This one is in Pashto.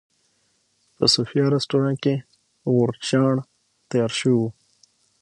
په صوفیا رسټورانټ کې غورچاڼ تیار شوی و.